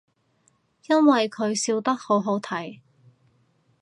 因為佢笑得好好睇